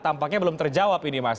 tampaknya belum terjawab ini mas